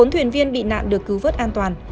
bốn thuyền viên bị nạn được cứu vớt an toàn